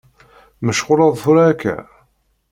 Mecɣuleḍ tura akka?